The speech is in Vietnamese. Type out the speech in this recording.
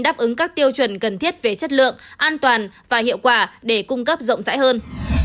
đáp ứng các tiêu chuẩn cần thiết về chất lượng an toàn và hiệu quả để cung cấp rộng rãi hơn